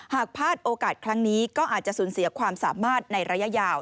หากพลาดโอกาสครั้งนี้ก็อาจจะสูญเสียความสามารถในระยะยาว